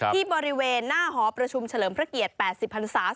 ที่บริเวณหน้าหอประชุมเฉลิมพระเกียรติ๘๐พันศา